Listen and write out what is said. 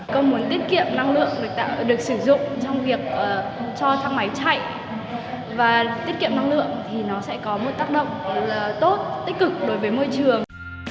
công muốn tiết kiệm năng lượng được sử dụng trong việc cho thang máy chạy và tiết kiệm năng lượng thì nó sẽ có một tác động tốt tích cực đối với môi trường